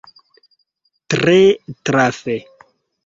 Tre trafe!